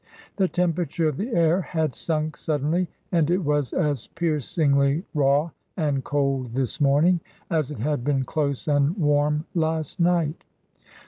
The temperature of the air had sunk suddenly, and it was as piercingly raw and cold this morning as it had been close and warm last night.